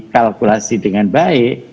kalkulasi dengan baik